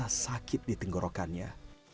dan juga kebetulan dia tidak bisa tidur di tenggorokannya